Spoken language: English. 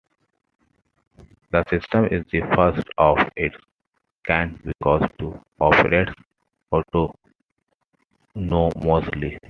The system is the first of its kind because it operates autonomously.